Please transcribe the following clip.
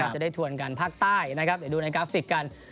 จะได้ทวนกันภาคใต้นะครับเดี๋ยวดูในกราฟิกกัน